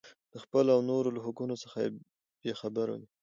د خپلو او نورو له حقونو څخه بې خبره وي.